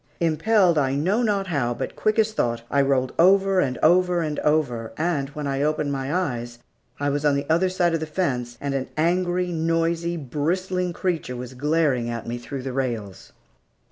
Impelled, I know not how, but quick as thought, I rolled over and over and over, and when I opened my eyes I was on the other side of the fence, and an angry, noisy, bristling creature was glaring at me through the rails.